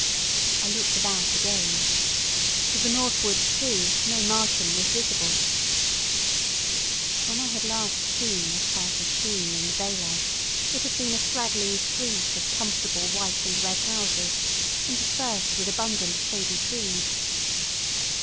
I looked about again. To the northward, too, no Martian was visible. When I had last seen this part of Sheen in the daylight it had been a straggling street of comfortable white and red houses, interspersed with abundant shady trees.